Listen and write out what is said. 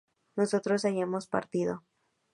nosotros hayamos partido